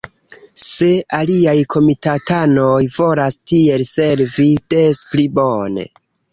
Se aliaj komitatanoj volas tiel servi, despli bone.